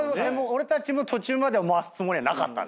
俺たちも途中までは回すつもりはなかった。